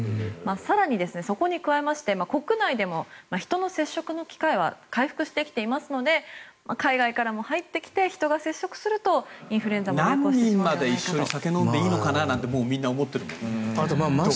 更に、そこに加えまして国内でも人の接触の機会は回復してきていますので海外からも入ってきて人が接触するとインフルエンザも流行してしまうのではないかと。